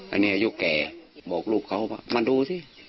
อันนี้อายุแก่บอกลูกเขาว่ามาดูสิ